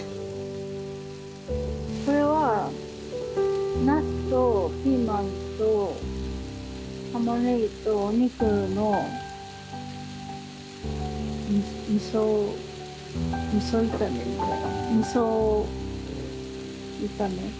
これはナスとピーマンとたまねぎとお肉のみそみそ炒めみそ炒めかな。